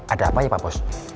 ada apa ya pak bos